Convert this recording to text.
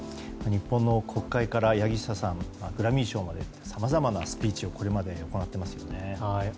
日本の国会から、柳下さんグラミー賞までさまざまなスピーチをこれまで行っていますよね。